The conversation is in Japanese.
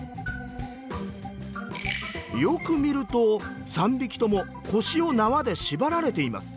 よく見ると３匹とも腰を縄で縛られています。